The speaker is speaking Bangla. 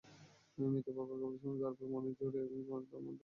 মৃত বাবার কবরের সামনে দাঁড়াবার মনের জোর এখনো আমার তৈরি হয়নি।